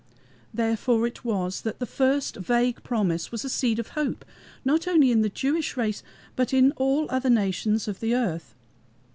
Therefore it was that the first vague promise was a seed of hope, not only in the Jewish race, but in all other nations of the earth.